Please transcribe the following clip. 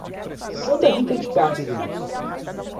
Santa Rita de Cássia